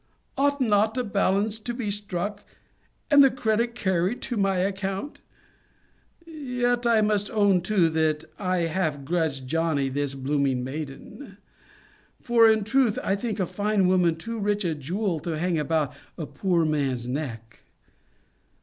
Ought not a balance to be struck; and the credit carried to my account? Yet I must own too, that I half grudge Johnny this blooming maiden? for, in truth, I think a fine woman too rich a jewel to hang about a poor man's neck.